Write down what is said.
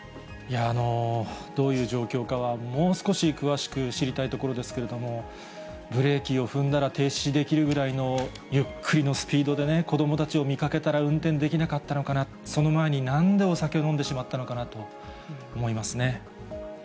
どういう状況かはもう少し詳しく知りたいところですけれども、ブレーキを踏んだら停止できるぐらいのゆっくりのスピードでね、子どもたちを見かけたら運転できなかったのかな、その前に、なんでお酒を飲んでしまったのかなと思いますね。